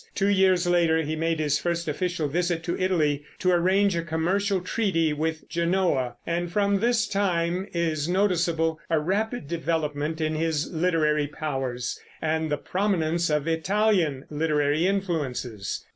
Two years later he made his first official visit to Italy, to arrange a commercial treaty with Genoa, and from this time is noticeable a rapid development in his literary powers and the prominence of Italian literary influences.